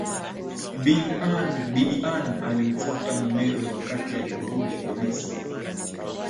Bibi Ann alimfuata mumewe wakati aliporudi Indonesia